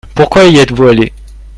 Pourquoi y êtes-vous allé ?